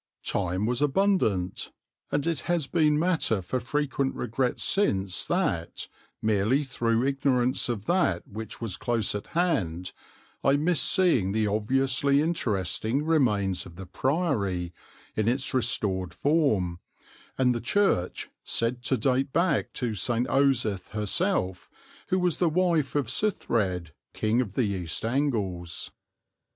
Time was abundant, and it has been matter for frequent regret since that, merely through ignorance of that which was close at hand, I missed seeing the obviously interesting remains of the Priory, in its restored form, and the church, said to date back to St. Osyth herself, who was the wife of Suthred, King of the East Angles.